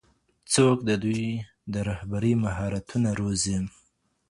څوک د دوی د رهبرۍ مهارتونه روزي؟